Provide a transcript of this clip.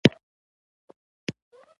یوه عسکري اډه ورته جوړه کړه.